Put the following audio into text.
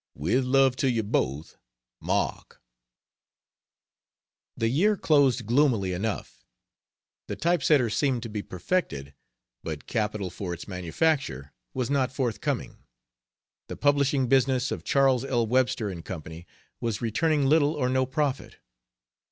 With love to you both, MARK The year closed gloomily enough. The type setter seemed to be perfected, but capital for its manufacture was not forthcoming. The publishing business of Charles L. Webster & Co. was returning little or no profit.